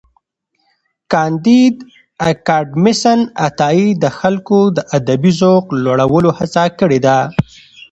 کانديد اکاډميسن عطایي د خلکو د ادبي ذوق لوړولو هڅه کړې ده.